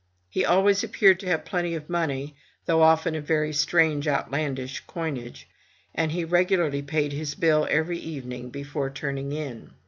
He always appeared to have plenty of money, though often of very strange outlandish coinage; and he regularly paid his bill every evening before turning in.